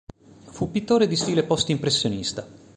Fu pittore di stile post-impressionista.